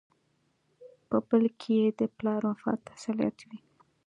په بل کې یې د پلار وفات تسلیت وي.